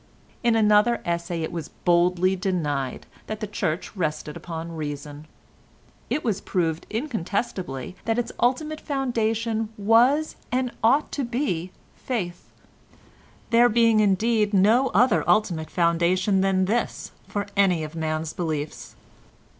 In another essay it was boldly denied that the Church rested upon reason. It was proved incontestably that its ultimate foundation was and ought to be faith, there being indeed no other ultimate foundation than this for any of man's beliefs.